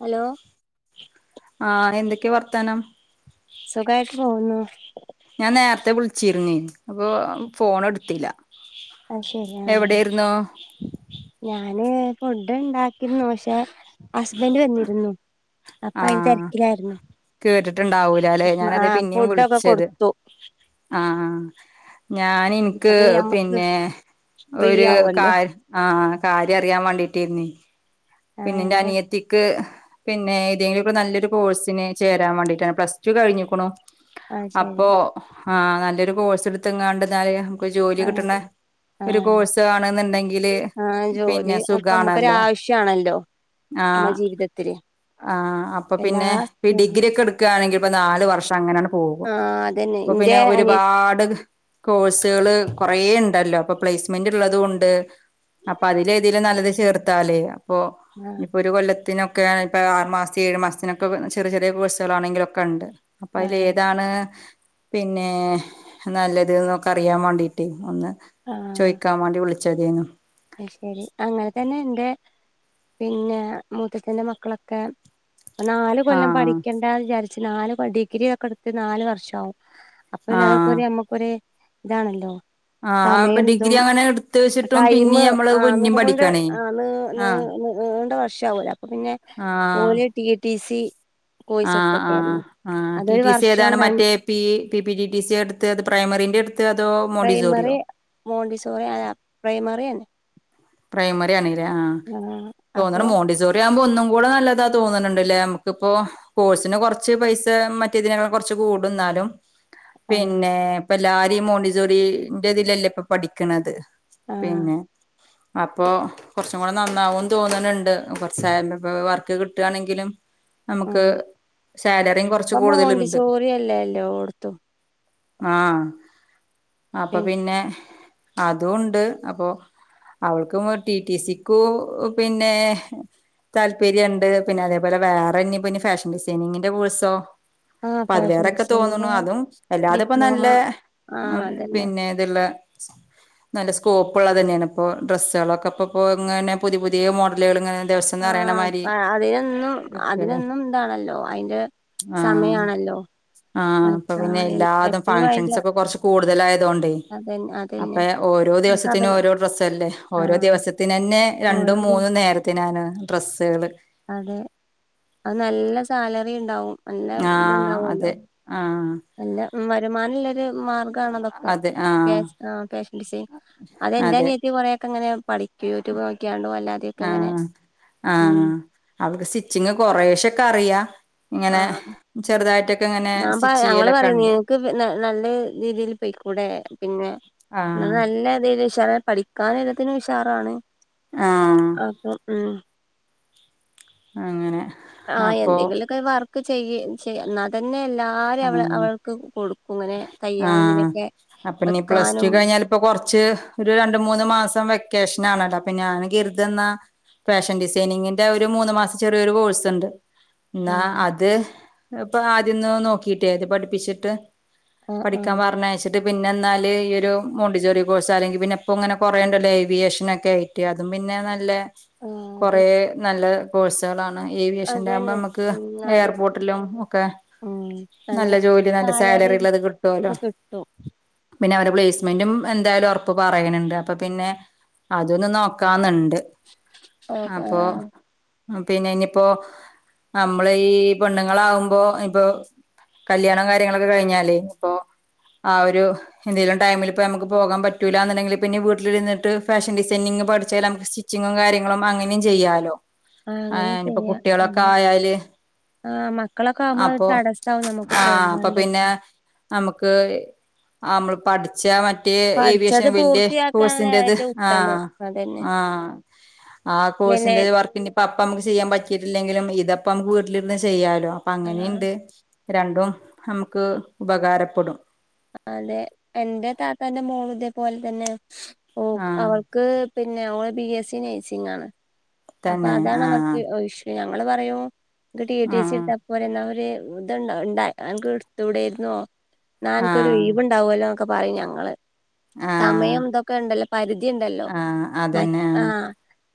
Hello ആഹ് എന്തൊക്കെയാ വർത്താനം? സുഖായിട്ട് പോവുന്നു. ഞാൻ നേർത്തെ വിളിച്ചിരിന്നു അപ്പൊ ഫോണ് എടുത്തില്ല. ആ ശരി ആ എവിടെയായിരുന്നു ഞാന് ഫുഡുണ്ടാക്കിയിരുന്നു പക്ഷെ, ഹസ്ബൻഡ് വന്നിരുന്നു. അപ്പൊ അയിൻ തെരക്കിലായിരുന്നു. ട്ടുണ്ടാവൂല ല്ലെ ഞാനതാ പിന്നിം വിളിച്ചെത്. കൊടുത്തു ആഹ് ഞാന് അപ്പൊ ഇൻക്ക് ഞമ്മക്ക് പിന്നെ ഫ്രീ ഒര് ആവുമല്ലോ കാര് ആഹ് കാര്യം അറിയാൻ വേണ്ടി ട്ടിര്ന്ന് ആഹ് പിന്നെ ഇൻ്റെ എന്താ അനിയത്തിക്ക് പിന്നെ ഏതെങ്കിലൊക്കെ നല്ലൊരു കോഴ്സിന് ചേരാൻ വേണ്ടിട്ടാണ്, പ്ലസ് ടു കഴിഞ്ഞുക്കുണു. ആഹ് ശരി അപ്പൊ ആഹ് നല്ലൊരു കോഴ്സ് എടുത്ത്ങ്ങാണ്ട് ന്നാല് ഒരു ജോലി കിട്ടണെ ആഹ് ഒരു കോഴ്സാണ്ന്ന്ണ്ടെ ആ ജോലി അപ്പൊ നമ്മുക്കൊരാവശ്യണല്ലോ നമ്മളെ ജീവിതത്തില്. ആഹ് അപ്പൊ എല്ലാ പിന്നെ ഈ ആഹ് ഡിഗ്രിക്കെ എടുക്കാണെങ്കിൽ ഇപ്പൊ നാല് വർഷം അങ്ങനാണ്ട് പോകും. അതന്നെ അപ്പൊ എന്റെ പിന്നെ അനിയ ഒരുപാട് കോഴ്സുകള് കൊ കൊയേ ഉണ്ടല്ലോ അപ്പൊ പ്ലേസ്മെന്റ് ഉള്ളതുകൊണ്ട് അപ്പൊ അതില് ഏതേലും നല്ലത് ചേർത്താലേ പോ ആഹ് ഇനിപ്പൊ ഒരു കൊല്ലത്തിനൊ ക്കാണിപ്പ ആറ് മാസ്തെ ഏഴ് മാസ്ത്തിനൊക്കെ ചെറിയ ചെറിയ കേഴ്സ്കളാണെങ്കിലൊക്കെയൂണ്ട്. അപ്പൊ അതില് ആഹ് ഏതാണ്? പിന്നെ നല്ലത്‌നൊക്കെ അറിയാൻ വേണ്ടീട്ട് ഒന്ന് ചോയ്ക്കാൻ വാണ്ടി വിളിച്ചതെയ്ന്നു. അയ് ശെരി അങ്ങനെ തന്നെ ഇന്റെ പിന്നെ മൂത്തച്ചൻ്റെ മക്കളൊക്കെ നാല് കൊല്ലം ആഹ് പഠിക്കെണ്ടാ വിചാരിച്ച് നാല് ഡിഗ്രി ഒക്കെ എടുത്ത് നാല് വർഷാവും. അപ്പന് ആഹ് അതൊക്കൊര് അമ്മക്കൊര് ഇതാണല്ലോ. ആഹ് അപ്പ ഡിഗ്രി അങ്ങനെ എടുത്ത്ച്ചിട്ടും പിൻ മ് ആ [unintelligible] ആ ന് ന് ആഹ് ന് നീണ്ട വഷാവൂല അപ്പ പിന്നെ ഓല് ടി യ ടീസ്. ആ ആ ആ ടി. അതൊരു ടി. സി വർഷം ഏതാണ് ര മറ്റേ P P. T. T. C എടുത്തെ പ്രൈമറിന്റെ എടു പ്രൈമറി മോണ്ടി സോറിയായ പ്രൈമറിയാണ്. പ്രൈമറി ആണ് ല്ലേ ആഹ് ആ അപ്പൊ തോന്ന്ണ് മോണ്ടിസേറി ആവുമ്പോ ഒൻ ഒന്നും കൂടെ നല്ലതാ തോന്ന്ണണ്ട് ല്ലെ നമ്ക്കിപ്പോ, കോഴ്സിന് കുറച്ച് പൈസ മറ്റെതിനെകാളും കൊറച്ച് കൂടു എന്നാലും ആ പിന്നെ ഇപ്പല്ലാരിം മോണ്ടിസോറി ൻ്റതിലല്ലേ ഇപ്പ പഠിക്കണത്. ആ പിന്നെ അപ്പോ കുറച്ചും കൂടെ നന്നാവുന്ന് തോന്നുണണ്ട് [unintelligible] വർക്ക് കിട്ടൃണെങ്കിലും ആ നമുക്ക് സാലറിം കുറച്ച് ഇപ്പൊ കൂടുതലുണ്ട്. മോണ്ടിസോറി അല്ലേ എല്ലോടത്തും ആഹ് അപ്പ, പിന്നെ അതും ണ്ട് അപ്പൊ അവൾക്കു ടി. ടി. സിക്കു പിന്നെ താല്പരൃണ്ട് പിന്നെ അതേപോലെ വേറെന്ന് പിന്നെ ഫാഷൻ ഡിസൈനിങ്ങിന്റെ കേഴ്സോ ആ പ്പ ഫാഷൻ അതിലേറെക്കെ തോന്നുണു ഡിസൈന് അതും എല്ലാത് ഇപ്പ ഡിപ്ലോമ നല്ലെ. ആ അ അതന്നെ പിന്നെ ഇത്ള്ള നല്ല സ്കോപ്പ്ള്ളതെന്നാണ് ഇപ്പോൾ ഡ്രസ്സുകളൊക്കെപ്പോ ഇപ്പോ ഇങ്ങനെ പുതിയ പുതിയ മോഡലുകൾ ഇങ്ങനെ ദിവസം ആ നെറയണ പ്പ മാരി അതിനൊന്നും ഇരിക്കല്ലേ അതിനൊന്നും ഇന്താണല്ലോ അതിന്റെ സമയാണല്ലോ ആ അപ്പൊ പിന്നെ എല്ലാതും എപ്പഴും അയിന്റെ ഫംഗഷൻസ്ക്കെ കുറച്ച് കൂടുതലായതോണ്ടേ അതന്നെ അതന്നെ അപ്പെയെ ഒ ഓരോ അതൊക്കെ ദിവസത്തിനും അവര് ഓരോ ഡ്രസ്സല്ലേ ഓരോ ആഹ് ദിവസത്തിനെന്നെ ഓരോ രണ്ടും ദിവസം മൂന്നും നേരത്തെ അതെ അത് നല്ല സാലറിണ്ടാവും നല്ല ആഹ് ഇതുണ്ടാവല്ലോ അതെ ആഹ് നല്ല വരുമാനംള്ളൊരു മാർഗ്ഗാണ തൊക്കെ അതെ ആഹ് ഫേഷ് ആ ഫേഷ ഡിസൈൻ അതെ അതെന്റെനിയത്തി കൊറേക്കെ ഇങ്ങനെ പഠി യൂട്യൂബ് നോക്കിയാണ്ടൂ അല്ലാതെക്കെ ഇങ്ങനെ ആഹ് ഉം ച്ചിങ് കൊറേശൊക്കെ അറിയാ ഇങ്ങനെ ആഹ് ചെറുതായിട്ട് ഞാൻ പറ ഞങ്ങള് പറയും നിനക്ക് ന നല്ല രീതില് പൊയികൂടെ പിന്നെ എന്നാ ആഹ് നല്ലതില് ഉഷാറെ പഠിക്കാനെല്ലാത്തിനും ഉഷാറാണ് ആഹ് അപ്പം ഉം അങ്ങനെ ആ അപ്പൊ എന്തെങ്കിലുക്കെ വർക്ക് ചെയ്യ് ചെയ് എന്നാ അതന്നെയല്ലാ ആര് അവളെ ആഹ് അവൾക്ക് കൊടുക്കും ഇങ്ങനെ തയ്യാനും ആഹ് ഇതിനൊക്കെ വെക്കാനും ച്ച് ഒരു രണ്ട മൂന്ന് മാസം വെക്കേഷൻ ആണല്ലോ അപ്പൊ ഞാൻ കരുതെന്ന ഫാഷൻ ഡിസൈനിങ്ങിന്റെ ഒരു മൂന്ന് മാസം ചെറിയൊരു കോഴ്സ്ണ്ട് എന്നാ ആഹ് അത് ഇപ്പൊ ആദ്യന്ന് നോക്കിട്ടേ അത് പഠിപ്പിച്ചിട്ട് ആഹ് പഠിക്കാൻ ആഹ് പറഞ്ഞയ്ച്ചി ട്ട് പിന്നെ എന്നാല് ഈ ഒരു മോണ്ടിസോറി കോഴ്സ് അല്ലെങ്കിൽ പിന്നെ ഇപ്പ ഇങ്ങനെ കുറേണ്ടല്ല ഏവിയേഷനൊക്കെ ആയിട്ട് അതും പിന്നെ നല്ല ആഹ് അതെ കൊറേ നല്ല കോഴ്സുകളാണ് ഏവിയേഷന്റെ ആകുമ്പോ അതന്നെ നമുക്ക് ഉം ന്നാല് എയർപോർട്ടിലും ഒക്കെ ഉം നല്ല ജോലി നല്ല സാലറി ഉള്ളത് കിട്ടുഅല്ലോ ഒക്കെ കിട്ടും പിന്നെ അവരു പ്ലേസ്മെന്റും എന്തായാലും ഉറപ്പ് പറയണണ്ട്. അപ്പൊ പിന്നെ അതൊന്നും നോക്കാന്ന്ൻ ണ്ട് ഓഹ് അപ്പൊ ആഹ് പിന്നെ ഇനിയിപ്പോ നമ്മള് ഈ പെണ്ണുങ്ങളാകുമ്പോ ഇപ്പോ കല്യാണം കാര്യങ്ങളൊക്കെ കഴിഞ്ഞാല് ഇപ്പൊ ആ ഒരു എന്തേലും ടൈമിലിപ്പോ നമുക്ക് പോകാൻ പറ്റൂല്ല എന്നുണ്ടെങ്കിൽ പിന്നെ വീട്ടിലിരുന്നിട്ട് ഫാഷൻ ഡിസൈനി ങ്ങ് പഠിചേലമ്മക്ക് സ്റ്റിച്ചിങ്ങും കാര്യങ്ങളും അങ്ങനേം ചെയ്യാലോ ആഹ് ആ അങ്ങനെ ഇനിപ്പോ കുട്ടിളൊക്കെ ആയാല് ആ മ അപ്പൊ ആ അപ്പൊ പിന്നെ ഇതൊക്കെ നമുക്ക് ആ അമ്മള് പഠിച്ചാ മതി ന്റെ ഏവിയേഷൻ പഠിച്ചത് വല്യ പൂർത്തിയാക്കാണ് കോഴ്സിന്റേത് ഏറ്റവും ആ ഉത്തമം അതന്നെ ആ ആ പിന്നെ കോഴ്സിന്റെ വർക്കിനിപ്പൊ അപ്പമക്ക് ചെയ്യാൻ പറ്റിയിട്ടില്ലെങ്കിലും ഇതപ്പം നമുക്ക് വീട്ടിലിരുന്ന് ചെയ്യാലോ അപ്പ ആഹ് അങ്ങനെയുണ്ട് രണ്ടും നമുക്ക് ഉപകാരപ്പെടും അതെ എന്റെ താത്താന്റെ മോളിതേപോലെ തന്നെ ഓ ആഹ് അവൾക്ക് പിന്നെ ഓള് ബി എസ് സി നേഴ്സിംഗാണ് അപ്പൊ തന്നെ അതാണ് ആഹ് അവർക്ക് ഒരുഷ് ഞങ്ങള് പറയും ടി ടി സി ആഹ് എടുത്താ പോരെ എന്നാ ഒര് ഇത്ണ്ട ഇണ്ട അനക്കെടുത്തൂടെര്ന്നോ ക്ക് ഒരു ആഹ് ലീവ് ഉണ്ടാവല്ലോ എന്നൊക്കെ പറയും ഞങ്ങള് സമയം ആഹ് ഇതൊക്കെ ഉണ്ടല്ല പരി തിണ്ടല്ലോ ആഹ് മറ്റ് അതന്നെ ആ ആഹ്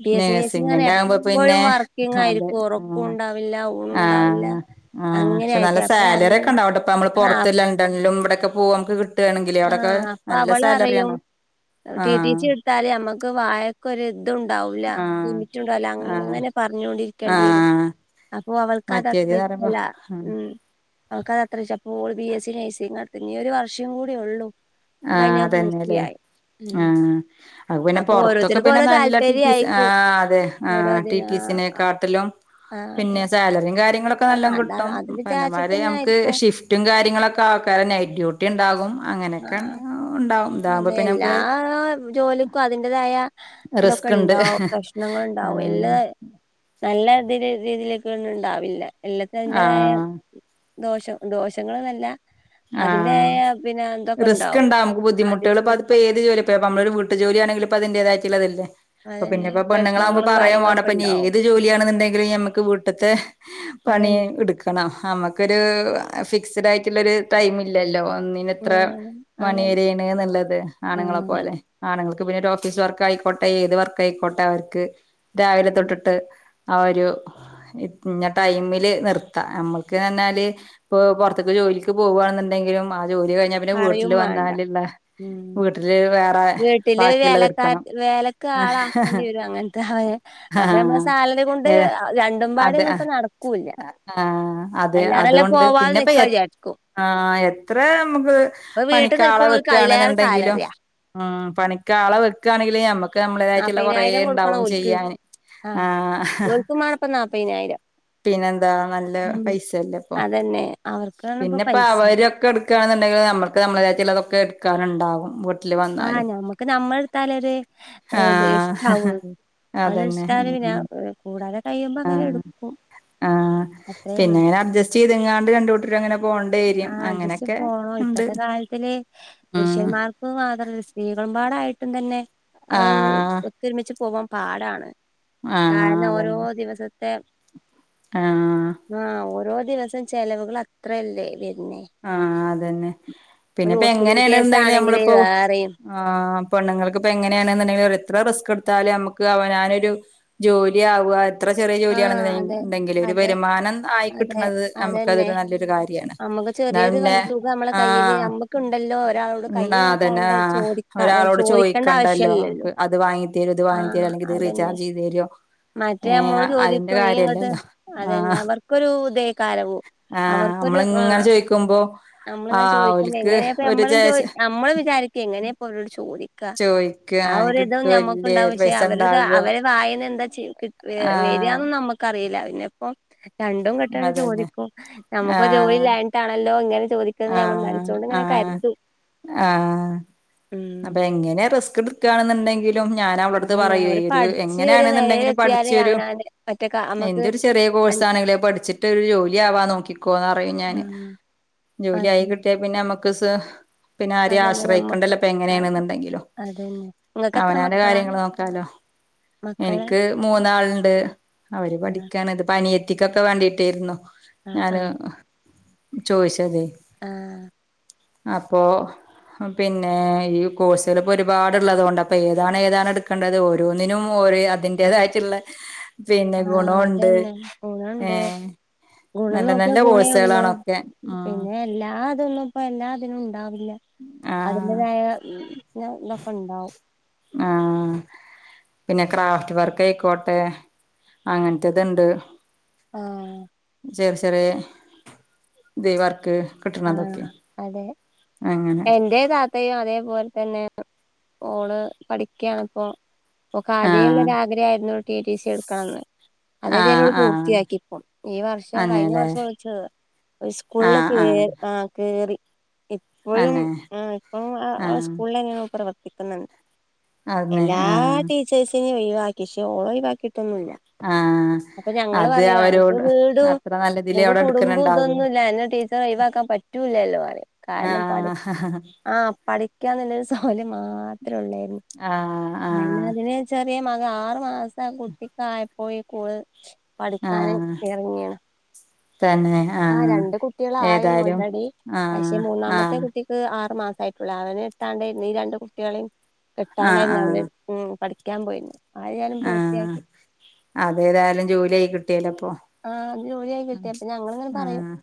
ബി എസ് സി നെയ്‌സിങ്ങനെ നേഴ്സിങ്ങിന്റെ ആകുമ്പോ പിന്നെ എപ്പോഴും അതെ വർക്കിങ്ങായിരിക്കും ആഹ് ഉറക്കുണ്ടാവില്ല ഊണുണ്ടാവില്ല ആഹ് ആഹ് അങ്ങനെ പക്ഷെ നല്ല ആയിരിക്കും അപ്പൊ സാലറിയക്കെ ഞങ്ങള് ഉണ്ടാവുട്ട ഇപ്പ നമ്മള് ആഹ് പുറത്ത് ലണ്ടൻലും ഇവടൊക്കെ പോകു അമ്മക് കി ട്ടാണെങ്കിലേ അവിടെക്കെ ആഹ് അപ്പൊ നല്ല അവള് അറിയും സാലറിയാണ്. ആ ക്ക് വായക്കൊര്തുംണ്ടാവില്ല ലിമിറ്റ്ണ്ടാവില്ല അങ്ങനെ പറഞ്ഞോണ്ടിരിക്ക്‌ ആ ഓ അവൾക്കതത്ര ഇഷ്ടല്ല ഉം. അവക്കഅത്രഷ പ്പോള് ബി എസ് സി നഴ്സിങ്ങാടുത്തേ ഇനി ഒരു വർഷം കൂടി ഒള്ളു. അത് ആഹ് കയിഞ്ഞാ ഞാൻ അതന്നെല്ലേ പൂർത്തിയായി ഉം. ആഹ് അത് പിന്നെ അപ്പൊ പൊറത്തൊക്കെ ഓരോര്ത്തർക്ക് പിന്നെ ഓരോ നല്ല ടി ടി സി താല്പര്യായിക്കും ആഹ് അതെ ഓരോ ആഹ് ടി തിന് ടി ആ സിനെക്കാട്ടിലും ആ, പിന്നെ അതെ സാലറിം കാര്യങ്ങളും ക്കെ ആ നല്ലോം അതാണ് കിട്ടും അത് പറഞ്ഞ മാതിരി വിചാരിച്ചിട്ടന്നെ നമക്ക് ആയിരിക്കും ഷിഫ്റ്റും കാര്യങ്ങളൊക്കെ ആക്ക നൈറ്റ്‌ ഡ്യൂട്ടി ഉണ്ടാകും. ആ ക്കെണ്ടാ ണ്ട അതെ എല്ലാ ജോലിക്കും അതിന്റേതായ റിസ്ക്ണ്ട് ഇതൊക്കെണ്ടാവും പ്രശ്നങ്ങള് ഉണ്ടാവും എല്ല ആഹ് നല്ല ഇതില് രീതിയിലേക്ക്‌ ന്നും ഉണ്ടാവില്ല എല്ലത്തിനും അതിന്റെതായ ആഹ് ദോഷം ദോഷങ്ങള്ന്നല്ല ആ റിസ്ക് ഉണ്ടാവും ഇണ്ടാവും നമു ആ ബുദ്ധിമുട്ടേൾ പ്പം അതിപ്പോ ഏത് ജോലി ഇപ്പോ നമ്മള് ര് വീട്ട് ജോലിയാണങ്കിലും പ്പം അതിന്റെതായിട്ട്ള്ളത് ല്ലേ. അപ്പൊ അതന്നെ പിന്നെപ്പൊ പെണ്ണുങ്ങളാകുമ്പോ പ്രശ്നങ്ങളും പറയും വേണ്ട കാര്യങ്ങളൊക്കെ പ്പം ന് ഉണ്ടാവും ഏത് ജോലിയാണെന്നുണ്ടെങ്കിലും ഞമ്മക്ക് വീട്ട്ത്തെ പണി അതന്നെ ഇട്ക്കണം നമു ക്കൊരു ഫിക്സ്ഡ് ആയിട്ട്ള്ളരു ടൈമ് ഇല്ലല്ലോ. ഒന്നിന് ഇത്ര ആഹ് അതന്നെ മണിവരെ ണ് ന്ന്ള്ളത് ആണ്ങ്ങളെ ആഹ് പോലെ ആണ്ങ്ങൾ ക്ക് പിന്നെ ഒരു ഓഫീസ് വർക്ക് ആയിക്കോട്ടെ ഏത് വർക്ക് ആയിക്കോട്ടെ അവർക്ക് രാവിലെ തൊട്ട്ട്ട് ആ ഒരു ഇന്ന ടൈമില് നിർത്താ നമ്മുക്ക്ഞ്ഞാല് ഇപ്പൊ പുറത്ത്‌ക്ക് ജോലി ക്ക് പോവാണ് ന്ന്ണ്ടെങ്കിലും അ ജോലി കഴിഞ്ഞാ പിന്നെ പറയും വീട്ടില് മാണ്ട വന്നാല്ള്ള ഉം വീട്ടില് വേറെ വീട്ടില് ബാക്കിള്ളത് വേലക്കാ ഇട്ക്കണം. വേലക്ക് ആളാക്കണ്ടി വരും അങ്ങൻത്തായ അപ്പൊ നമ്മളെ സാലറി കൊണ്ട് ഏഹ് രണ്ടും അതെ പാടെന്നും ആഹ് പ്പം നടക്കൂല്ല ആഹ് അയിലാറെ നല്ല പോവാതെ നിക്കാ വിചാരിക്കും. ആ എത്ര നമുക്ക് ഇപ്പൊ വീട്ടിൽ പണിക്കാളെ നിൽക്കണോൽക്ക് അതിലേറെ വെക്കാണ്ന്ന്ണ്ടങ്കിലും സാലറിയാ ആ പണിക്കാളെ വെക്കാണെങ്കിലെ നമ്മക്ക് നമ്മളേതായിട്ട്ള്ള കുറേ ണ്ടാവും ചെയ്യാന്. ആ ആഹ് ഓല്ക്കും മാണപ്പം നാപയ്നായിരം. പിന്നെന്താ നല്ല പൈസല്ലേ ഇപ്പം. അതന്നെ അവർക്കാണ് പിന്നെ ഇപ്പോ പൈസ അവരൊക്കെ ഇട്ക്കാണ്ന്നുണ്ടെങ്കിലും നമ്മക്ക് നമ്മളതായിട്ട്ള്ളതൊക്കെ ഇട്ക്കാനുണ്ടാവും വീ ആ ഞമ്മക്ക് നമ്മള്ട്ത്താലെ ഒരു ഇത് ആഹ് ഇഷ്ടാവള്ളു. അത് അതന്നെ ഇഷ്ട്ടാ [unintelligible] ഞാ ഉം കൂടാതെ കഴിയുമ്പോ അങ്ങനെ എടുക്കും. ആ അത്രേ പിന്നെ ഉള്ളൂ അങ്ങനെ അഡ്ജസ്റ്റ് ചെയ്ത്ങ്ങാണ്ട് രണ്ട് കൂട്ടരും അങ്ങനെ ആ പോണ്ടേരും അഡ്ജസ്റ്റ് അങ്ങനെയൊക്കെ പോണം ഇണ്ട് ഇപ്പത്തെ കാലത്തില് ആഹ് പുരുഷന്മാർക്ക് മാത്രമല്ല സ്ത്രീകളും പാടായിട്ടും തന്നെ അത് ആഹ് ഒത്തൊരുമിച്ച് പോവാൻ പാടാണ്. ആഹ് കാരണം ഓരോ അതന്നെ ദിവസ ത്തെ ആഹ് ആ ഓരോ ദിവസം ചെലവുകൾ അത്രയല്ലേ. ആ അതന്നെ ഒരു പിന്നെപ്പോ ഹോസ്പിറ്റൽ എങ്ങനെണ്ന്ന് കേസ് ണ്ടെങ്കിലും ആണെങ്കില് നമ്മളിപ്പോ വേറെയും ആ പെണ്ണ്ങ്ങൾക്ക്പ്പോ എങ്ങനെണ്ന്ന്ണ്ടെങ്കിലും എത്ര റിസ്ക് ട്ത്താലും നമുക്ക് അവനാനൊരു ജോലിയാവ എത്ര ചെറിയ ആഹ് ജോലിയാണെന്ന് അതെ ഇണ്ടങ്കിലും ഒരു അതെ വരുമാനം ആയി അതെ കിട്ടണത് നമുക്ക് അതന്നെ അതൊരു നല്ലൊരു കാര്യാണ്. നമ്മുക്ക് ന്നാ ചെറിയൊരു വ- പിന്നെ തുക നമ്മളെ ആ കയ്യില് നമ്മക്കുണ്ടല്ലോ ഒരാളോട് കൈ ആ അതന്നെ നീട്ടാണ്ട് ആ ചോദിക്കാ ഒരാളോട് ചോയി ചോദിക്കേണ്ട ക്കണ്ടല്ലോ ആവശ്യല്ലല്ലോ അത് വാങ്ങി തരോ ഇത് വാങ്ങി തരോ ആഹ് അല്ലെങ്കി ഇത് അതന്നെ റീചാർജ് ചെയ്തരോ മറ്റേ നമ്മോട് ചോദിക്കും നീ ഇങ്ങട്ട് അത ന്നെ അവർക്കൊരു തെക്കാരം ആ നമ്മള് ഇങ്ങനെ ചോയ്ക്കുമ്പോ നമ്മള്ങ്ങനെ ചോയിക്കുമ്പോ എങ്ങനെ പ്പം നമ്മളും ചോ നമ്മളും വിചാരിക്കേ എങ്ങനെ പ്പം അവരോട് ചോദിക്ക. ചോയിക്കാ ആ ഒര് തും കിട്ടോ ഇല്ലേ ഞമ്മക്ക്ണ്ടാവും പക്ഷെ പൈസ അവര് താ ഇണ്ടാകോ അവരെ വായേന്ന് എന്താ ച്ച് കി ആഹ് വരാന്നെന്നു നമ്മക്കറീല പിന്നെ ഇപ്പം രണ്ടും കെട്ടാണ്ട് അതന്നെ ചോദിക്കും നമുക്ക് ജോലി ആഹ് ഇല്ലായിട്ടാണല്ലോ ഇങ്ങനെ ചോദിക്കുന്നത് ഞമ്മൾ ആഹ് മനസോണ്ട് ഇങ്ങനെ ആഹ് കര്തും. ആഹ് അപ്പൊ എങ്ങനെ റിസ്ക് ഇട്ക്കാണ്ന്ന്ണ്ടെങ്കി ഞാന് അവളെ ട്ത്ത് അതന്നെ പറയെ അവര് ര് പഠിച്ച് ഒരു എങ്ങനെണ് ന്ന്ണ്ടെങ്കിലും നിലയിലെത്തിയാല് പഠിച്ച് ഒരു അവനാന് ഒറ്റക്ക നമ്മക്ക് നിന്റെ ഒരു ചെറിയ കോഴ്സ് ആണെങ്കിലേ പഠിച്ചിട്ട് ഒരു ജോലി ആവാൻ നോക്കിക്കോന്ന് പറയും ഞാന്. ആഹ് ജോലി ആയി അതെ കിട്ടിയാ പിന്നെ നമ്മക്ക് സ പിന്നെ ആരെയും അതന്നെ നമ്മക്ക് ആശ്രയിക്കേണ്ടല്ലോ അതെ അങ്ങനെയണെന്നുണ്ടെങ്കിലോ അതന്നെ നിങ്ങൾക്ക് എത്ര അവനാന്റെ മക്കളാ കാര്യങ്ങള് നോക്കാലോ. മക്കള് എനിക്ക് മൂന്നാർ ളണ്ട് അവര് ആഹ് പഠിക്കണ ഇത് പനിയെത്തിക്കൊക്കെ വേണ്ടിട്ടായിുന്നോ ആഹ് ഞാന് ആഹ് ചോദിച്ചത ആഹ് അപ്പൊ പിന്നെ പിന്ന ഈ കോഴ്സുകൾ ഇപ്പോ ഒരുപാടുള്ളത് കൊൊണ്ട് അപ്പോ ഏതാണ് ഏതാണ് എടുക്കേണ്ടത് ഓരോന്നിനും ഓ അതിറെ തായിട്ടുള്ള പിന്നെ ആഹ് ഗുണുണ്ട് അതന്നെ ഏ ഗുണണ്ട് ഗുണം നല്ല നോക്കിയ നല്ല ഗുണേ ഉള്ളൂ കോഴ്സുകളാണൊക്കെ ഉം പിന്നെ എല്ലാ ഇതൊന്നും ഇപ്പ എല്ലാതിനും ണ്ടാവില്ല ആഹ് അതിന്റെേതായ ഞ ഇതൊക്കെ ഉണ്ടാവും ആ പിന്നെ ക്രാഫ്റ്റ് വർക്ക് ആയിക്കോട്ടെ അങ്ങനത്തെതുണ്ട് ആ ശരി ശരി ദൈവർക്ക് ആഅതെ അങ്ങനെ എന്റെറെ താത്തയും അതേപോലെ തന്നെ ഓള് പഠിക്കയണിപ്പോൊ ക്ക ആദ്യേ ആഹ് ഉള്ളൊരാഗ്രഹ ആരുന്നു ടിടി സി എടുക്കാാണ് ആഹ് അതതാലും ആഹ് പൂർത്തിയാക്കി ഇപ്പം ഈ വർഷം കഴിഞ്ഞ അന്നെല്ലേ വർഷം വിളിച്ച ആഹ് സ്കൂൾക്ക് ആഹ് കേറി ഇപ്പഴും അന്നെ ഇപ്പ ആഹ് സ്കൂളിൽന്നെയ പ്രവർ ിക്കുന്നുണ്ട് അതെ എല്ലാ ആഹ് ടീച്ചേഴ്സിനും ഒഴിവാക്കിേ ഓളോ ഒഴിവാക്കിയിട്ടൊന്നുമല്ല ആഹ് അപ്പൊ ഞങ്ങള് അത് പറയു എനിക്ക് അവരോട് വീടും അത്ര നല്ലതില് എനക്ക് അവിടെ കുടുംബം എടുക്കണുണ്ടാവേ ഇതൊന്നുംല്ലഅതിനു ടീച്ചർ ഒഴിവാക്കാൻ പറ്റൂലല്ലോ മാ കാരണം പഠ ആഹ് ആപഠിക്കാൻുള്ളരു സൗര്യം മാത്രേ ഉള്ളായിരുന്നു ആഹ് ആഹ് അതിനന് ചെറിയ ആറു മാസം കുട്ടിക്ക ആായപ്പോയി കൂടു പഠിക്കാനും ആഹ് ഇറങ്ങിയാണ് തന്നെ ആ ആഹ് രണ്ട് കുട്ടികള ആായിരുന്നു ഏതായാലും ഓൾറെഡി പക്ഷെ ആഹ് മൂന്നാമത്തെ ആഹ് കുട്ടിക്ക് ആ മാസായിട്ടുള്ള അവന് കിട്ടാണ്ടന്ന് ഈ രണ്ട് കുട്ടികളെയും ആഹ് കിട്ടാണ്ടന്ന് അവഠ കം പോയരുന്നു ആ അതേഏതായാലും ജോലി ആയി കിട്ടിയല ആഅത് ജോലിയ ആയി കിട്ടിയ അപ്പ ഞങ്ങിങ്ങനെ പറയും ആഹ്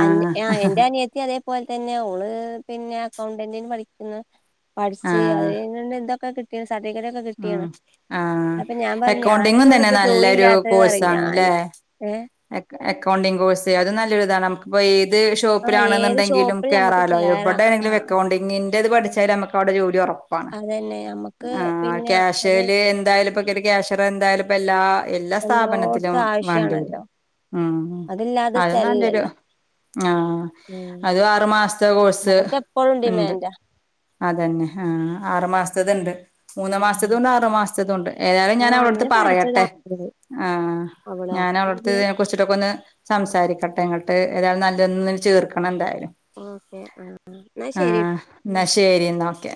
ആ എന്റെ അനിയത്തി അതേ അതുപോലെ തന്നെ അവഓള് പിന്നെ അക്കൗണ്ടന്റിന് പഠിക്കുന്ന പഠി അത്െ ഇന്തൊക്കെി ഉ ആ അപ്പൊ ഞാൻ പറഞ്ഞു അക്കൗണ്ടിങ്ങും ഞാനന്നെ ഉള്ളു തന്നെ ഇപ്പൊ ജോലി നല്ലൊരു ഇല്ലാത്തത് കോഴ്സ പറയും ആണ് അല്ലെ ഞാന് ഏ അക്കൗണ്ടിംഗ കോഴ്സ് അത് നല്ലൊതാണ് നമുക്കിപ്പിയി ഇത് ആ ഏത് ഷോപ്പിലാണെന്നുണ്ടെങ്കിലും ഷോപ്പിൽ നമുക്ക് കേറാലോ കേറാം ആ എവിടെേെങ്കിലും എക്കൗണ്ടിന്റെറത് പഠിച്ചാലും നമുക്ക് അവിടെ ജോലി പറഞ്ഞു അതന്നെ നമ്മക്ക് പിന്നെ അത് ക്യാഷ്ല് എന്തായാലും ഇപ്പൊ ക്യാഷർ എന്തായാലും ഇ എല്ലാ എല്ലാ സ്ഥാപനത്തിലും എല്ലോടത്തും വേണ്ടി വരും ആവശ്യാണല്ലോ ഉം അതില്ലാതെ അത നല്ലരു സ്ഥലല്ലല്ലോ ആ ഉം അത് ആറു മാസത്തെ കോഴ്സ് അതൊക്കെ എപ്പോഴും ഉണ്ട് ഡിമാൻഡാ അതന്നെ ആ ആറു മാസത്തത് ഇണ്ട് മാസണ്ട് അറു മാസത്ത കൊണ്ട് ഏതായാലും ആ ഞൻ അവിടെ അടുത്ത് അങ്ങനെ പഠിച്ചതാ പറയട്ടെ ആ അവള് ഞാൻ അവവിളടുത്തെ ഇതിനെ കുറിച്ചിട്ടൊക്കെ ഒന്ന് സംസാരിക്കട്ടെ കുട്ടങ്ങോട്ട്ഏതായാല നല്ലൊന്ന ചേർക്കണം എന്തായ ഓക്കെ ആ എന്നാ ആ ശരി എന്നാ ശരി എന്ന ഓക്കെ